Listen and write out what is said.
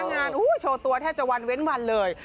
งานโชว์ตัวแทบจะวันเว้นวันเลย